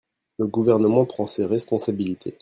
Le Gouvernement prend ses responsabilités.